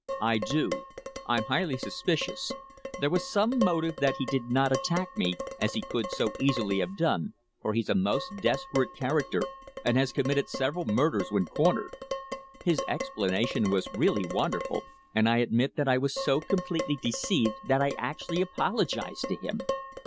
"I do. I'm highly suspicious. There was some motive that he did not attack me, as he could so easily have done, for he's a most desperate character and has committed several murders when cornered. His explanation was really wonderful, and I admit that I was so completely deceived that I actually apologized to him!